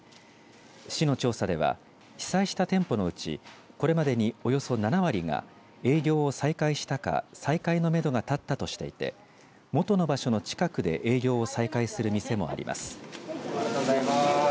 市の調査では被災した店舗のうちこれまでにおよそ７割が営業を再開したか再開のめどが立ったとしていて元の場所の近くで営業を再開する店もあります。